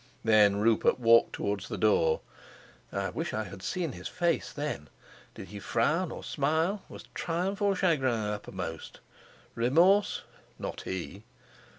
Then Rupert walked towards the door. I wish I had seen his face then! Did he frown or smile? Was triumph or chagrin uppermost? Remorse? Not he!